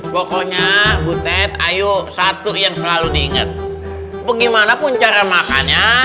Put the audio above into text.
pokoknya butet ayo satu yang selalu diingat bagaimanapun cara makannya